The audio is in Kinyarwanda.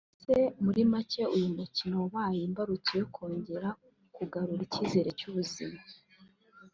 Mbese muri make uyu mukino wabaye imbarutso yo kongera kugarura icyizere cy’ubuzima